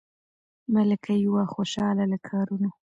ملکه یې وه خوشاله له کارونو